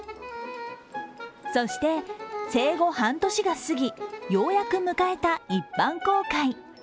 そして、生後半年がすぎようやく迎えた一般公開。